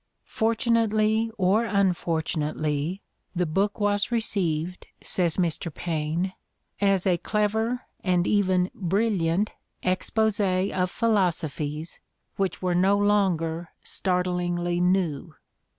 Fortunately or unfor tunately, the book was received, says Mr. Paine, "as a clever, and even brilliant, expose of philosophies which were no longer startlingly new."